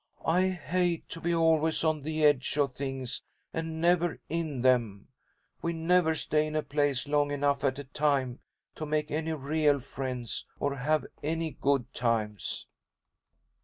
"I hate to be always on the edge of things, and never in them. We never stay in a place long enough at a time to make any real friends or have any good times."